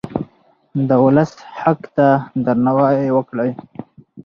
د ولس حق ته درناوی وکړئ.